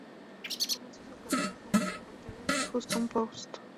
Comenzó su carrera como reportero del Houston Post.